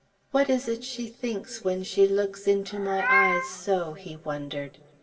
"What is it she thinks when she looks into my eyes so?" he wondered.